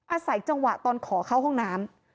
อาศัยจังหวะตอนขอเข้าห้องน้ำ